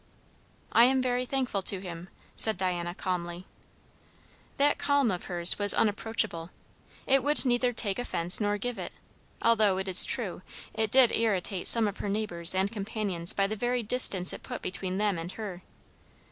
"I am very thankful to him," said Diana calmly. That calm of hers was unapproachable. It would neither take offence nor give it; although, it is true, it did irritate some of her neighbours and companions by the very distance it put between them and her.